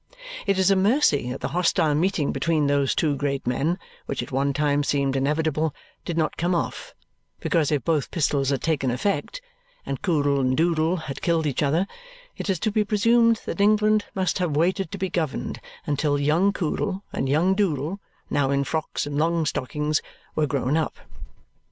It is a mercy that the hostile meeting between those two great men, which at one time seemed inevitable, did not come off, because if both pistols had taken effect, and Coodle and Doodle had killed each other, it is to be presumed that England must have waited to be governed until young Coodle and young Doodle, now in frocks and long stockings, were grown up.